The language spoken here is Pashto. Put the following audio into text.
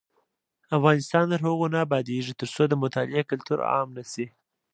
افغانستان تر هغو نه ابادیږي، ترڅو د مطالعې کلتور عام نشي.